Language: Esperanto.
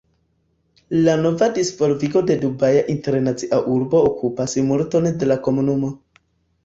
La nova disvolvigo de Dubaja Internacia Urbo okupas multon de la komunumo.